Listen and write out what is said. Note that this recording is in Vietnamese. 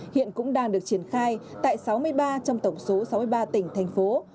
hiện cũng đang được triển khai tại sáu mươi ba trong tổng số sáu mươi ba tỉnh thành phố